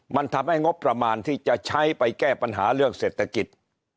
มันทำให้งบประมาณที่จะใช้ไปแก้ปัญหาเรื่องเศรษฐกิจ